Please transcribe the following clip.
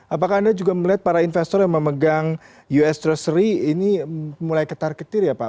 apakah anda juga melihat para investor yang memegang us treasury ini mulai ketar ketir ya pak